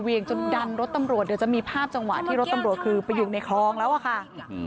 จนดันรถตำรวจเดี๋ยวจะมีภาพจังหวะที่รถตำรวจคือไปอยู่ในคลองแล้วอะค่ะ